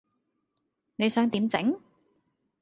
你想點整?